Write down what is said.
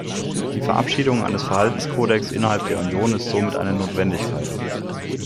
Die Verabschiedung eines Verhaltenskodex innerhalb der Union ist somit eine Notwendigkeit.